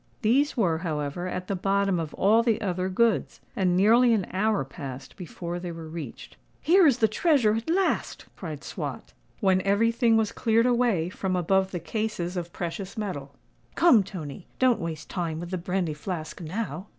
These were, however, at the bottom of all the other goods; and nearly an hour passed before they were reached. "Here is the treasure—at last!" cried Swot, when every thing was cleared away from above the cases of precious metal. "Come, Tony—don't waste time with the brandy flask now."